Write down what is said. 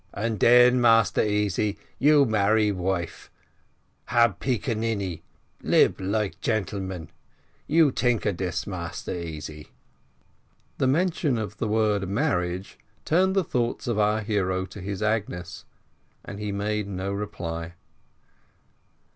And den, Massa Easy, you marry wife hab pickaninny lib like gentleman. You tink of this, Massa Easy." The mention of the word marriage turned the thoughts of our hero to his Agnes, and he made no reply.